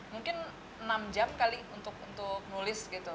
mungkin enam jam kali untuk nulis gitu